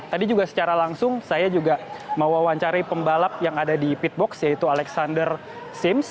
tadi juga secara langsung saya juga mewawancari pembalap yang ada di pitbox yaitu alexander sims